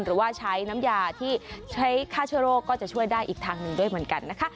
หรือว่าใช้น้ำยาที่ใช้ฆ่าเชื้อโรคก็จะช่วยได้อีกทางหนึ่งด้วยเหมือนกันนะคะ